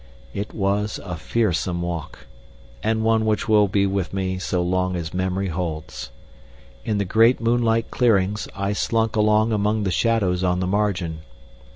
It was a fearsome walk, and one which will be with me so long as memory holds. In the great moonlight clearings I slunk along among the shadows on the margin.